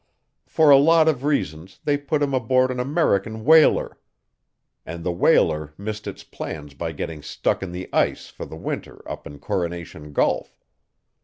For a lot of reasons they put him aboard an American whaler, and the whaler missed its plans by getting stuck in the ice for the winter up in Coronation Gulf.